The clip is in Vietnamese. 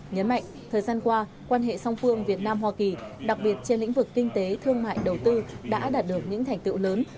nhấn mạnh thời gian qua quan hệ song phương việt nam hoa kỳ đặc biệt trên lĩnh vực kinh tế thương mại đầu tư đã đạt được những thành tựu lớn